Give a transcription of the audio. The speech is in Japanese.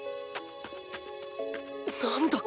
何だ？